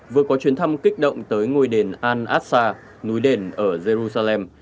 vừa có chuyến thăm kích động tới ngôi đền al aqsa núi đền ở jerusalem